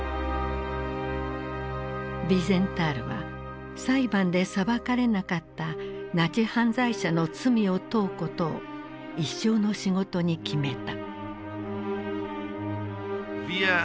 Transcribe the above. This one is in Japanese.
ヴィーゼンタールは裁判で裁かれなかったナチ犯罪者の罪を問うことを一生の仕事に決めた。